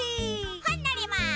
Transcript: ほんのります！